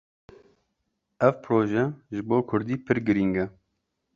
Ev proje ji bo Kurdî pir giring e.